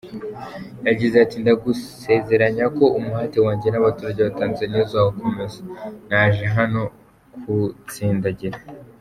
Yagize ati “Ndagusezeranya ko umuhate wanjye n’abaturage ba Tanzania uzakomeza, naje hano kuwutsindagira.